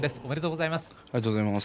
ありがとうございます。